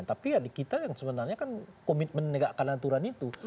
tapi ya di kita yang sebenarnya kan komitmen menegakkan aturan itu